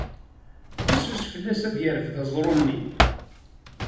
Fessus fell-as ad yerfed aẓru-nni.